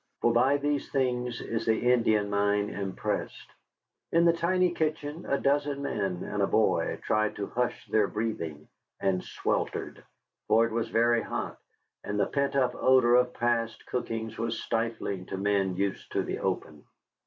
For by these things is the Indian mind impressed. In the tiny kitchen a dozen men and a boy tried to hush their breathing, and sweltered. For it was very hot, and the pent up odor of past cookings was stifling to men used to the open.